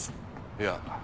いや。